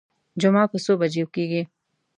جمعه په څو بجو کېږي.